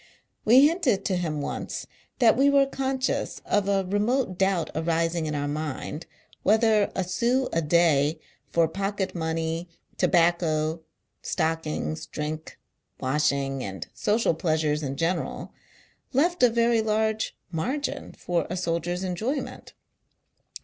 We hinted to him once, that we were conscious of a remote doubt arising in our mind, whether a sou a day for pocket money, tobacco, stockings, drink, washing, and social pleasures in general, left a very large margin, for a soldier's enjoyment.